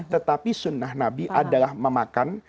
tetapi sunnah nabi adalah memakan